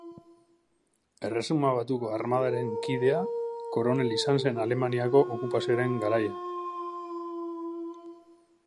Erresuma Batuko Armadaren kidea, koronel izan zen Alemaniako okupazioaren garaian.